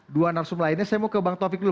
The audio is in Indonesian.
dua narasum lainnya saya mau ke bang taufik dulu